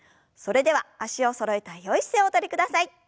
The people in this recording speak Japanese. それでは脚をそろえたよい姿勢をおとりください。